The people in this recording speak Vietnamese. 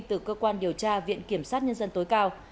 từ cơ quan điều tra viện kiểm sát nhân dân tối cao